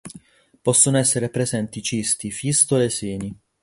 Possono esser presenti cisti, fistole, seni.